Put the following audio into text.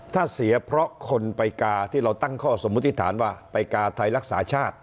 ถ้าเสียเพราะคนไปกาที่เราตั้งข้อสมมุติฐานว่าไปกาไทยรักษาชาติ